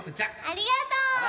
ありがとう！